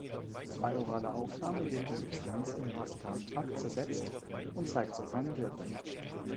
Bei oraler Aufnahme wird die Substanz im Magen-Darm-Trakt zersetzt und zeigt so keine Wirkung.